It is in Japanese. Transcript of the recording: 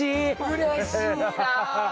うれしいなあ！